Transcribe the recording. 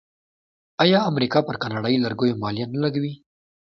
آیا امریکا پر کاناډایی لرګیو مالیه نه لګوي؟